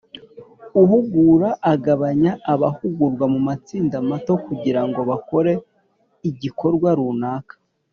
Uhugura agabanya abahugurwa mu matsinda mato kugira ngo bakore igikorwa runaka